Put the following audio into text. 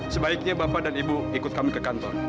sebaiknya bapak dan ibu ikut kami ke kantor